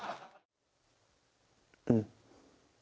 うん。